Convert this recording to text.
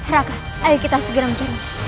raka ayo kita segera mencari